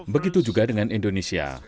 begitu juga dengan indonesia